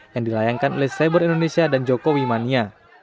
yang dilayangkan oleh cyber indonesia dan jokowi mania